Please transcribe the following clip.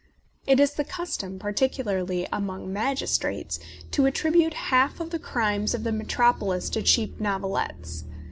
It is the cus tom, particularly among magistrates, to at tribute half the crimes of the Metropolis to cheap novelettes.